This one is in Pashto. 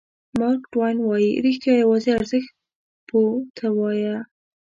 مارک ټواین وایي رښتیا یوازې ارزښت پوه ته ووایه.